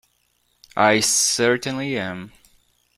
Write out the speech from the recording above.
I certainly am.